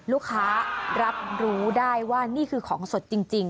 ลูกค้ารับรู้ได้ว่านี่คือของสดจริง